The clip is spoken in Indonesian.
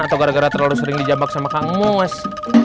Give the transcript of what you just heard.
atau gara gara terlalu sering dijamak sama kamu mas